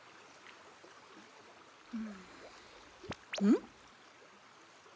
ん？